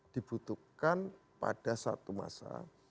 dibutuhkan pada suatu masa